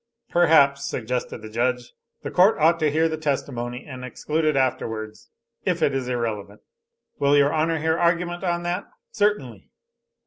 "Perhaps," suggested the judge, "the court ought to hear the testimony, and exclude it afterwards, if it is irrelevant." "Will your honor hear argument on that!" "Certainly."